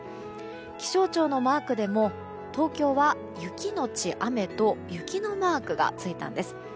気象庁のマークでも東京は雪のち雨と雪のマークがついたんです。